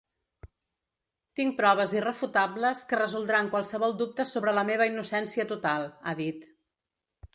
“Tinc proves irrefutables que resoldran qualsevol dubte sobre la meva innocència total”, ha dit.